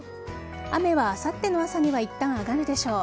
雨はあさっての朝にはいったん上がるでしょう。